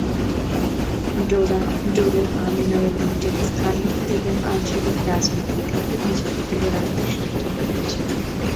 ডোরোহা mineral limited স্থানীয় এবং আঞ্চলিক রাজনীতি থেকে নিজেকে দূরে রাখতে সক্ষম হয়েছে।